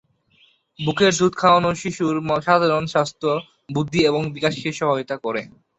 বুকের দুধ খাওয়ানো শিশুর সাধারণ স্বাস্থ্য, বৃদ্ধি এবং বিকাশকে সহায়তা করে।